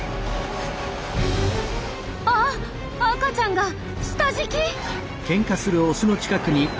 あっ赤ちゃんが下敷き！